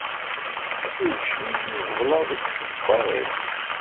Ikcem-iyi ublaḍ deg usebbaḍ-iw.